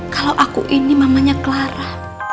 kalau aku ini mamanya clara